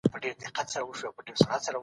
د سرطان څېړنه اقتصادي ګټې هم لري.